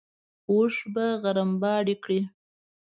اوښ به غرمباړې کړې.